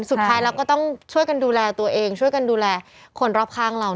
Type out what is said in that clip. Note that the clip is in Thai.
สุดท้ายเราก็ต้องช่วยกันดูแลตัวเองช่วยกันดูแลคนรอบข้างเรา